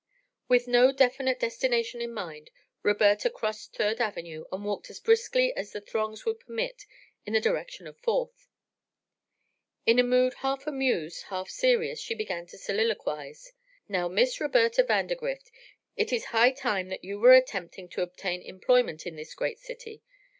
With no definite destination in mind, Roberta crossed Third Avenue and walked as briskly as the throngs would permit in the direction of Fourth. In a mood, half amused, half serious, she began to soliloquize: "Now, Miss Roberta Vandergrift, it is high time that you were attempting to obtain employment in this great city.